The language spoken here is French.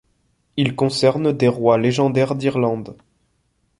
Il concerne des rois légendaire d'Irlande.